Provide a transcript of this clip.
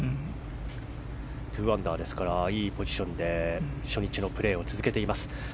２アンダーですからいいポジションで初日のプレーを続けています。